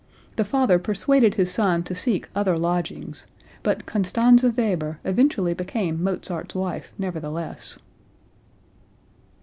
The father persuaded his son to seek other lodgings; but Constanze Weber eventually became Mozart's wife nevertheless.)